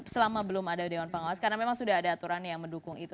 selama belum ada dewan pengawas karena memang sudah ada aturan yang mendukung itu